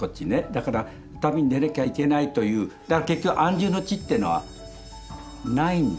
だから旅に出なきゃいけないという結局安住の地ってのはないんだなと。